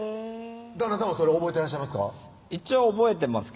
旦那さんはそれ覚えてらっしゃいますか？